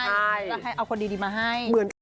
และให้เอาคนดีมาให้